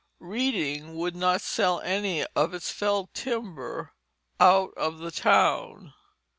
Reading would not sell any of its felled timber out of the town.